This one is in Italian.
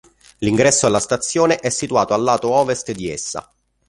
L'ingresso alla stazione è situato al lato ovest di essa.